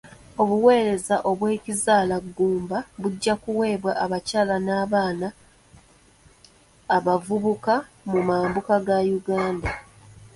Obuweereza bw'ekizaalaggumba bujja kuweebwa abakyala n'abaana abavubuka mu mambuka ga Uganda.